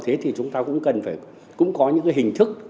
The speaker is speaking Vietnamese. thế thì chúng ta cũng cần phải cũng có những cái hình thức